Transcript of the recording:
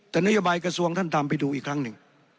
แต่นโยบายกระทรวงท่านทำไปดูอีกครั้งหนึ่ง